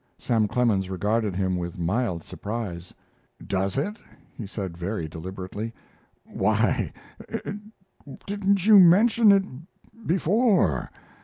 Sam Clemens regarded him with mild surprise. "Does it?" he said, very deliberately. "Why didn't you mention it before?